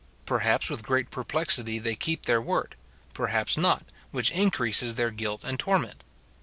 Perhaps with great perplexity they keep their word ; perhaps not, which in creases their guilt and torment.